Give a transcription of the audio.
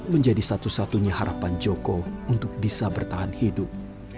menjadi satu satunya harapan joko untuk bisa bertahan hidup